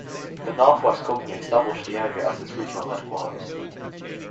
The North West Company established the area as its regional headquarters.